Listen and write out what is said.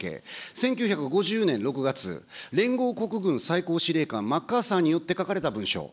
１９５０年６月、連合国軍最高司令官、マッカーサーによって書かれた文書。